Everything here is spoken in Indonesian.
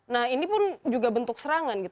nah ini pun juga bentuk serangan